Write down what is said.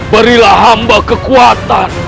berilah hamba kekuatan